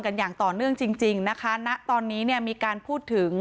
อย่างต่อเนื่องจริงจริงนะคะณตอนนี้เนี่ยมีการพูดถึง